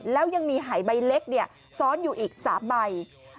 แล้วยังมีหายใบเล็กซ้อนอยู่อีก๓ใบ